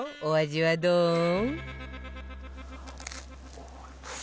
お味はどう？